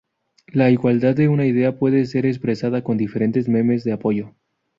La igualdad de una idea puede ser expresada con diferentes memes de apoyo.